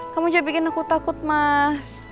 kamu jangan bikin aku takut mas